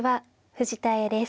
藤田綾です。